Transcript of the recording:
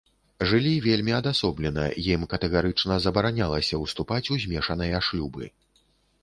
Жылі вельмі адасоблена, ім катэгарычна забаранялася ўступаць у змешаныя шлюбы.